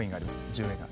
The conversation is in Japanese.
１０円が。